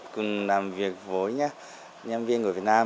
cùng làm việc với nhân viên của việt nam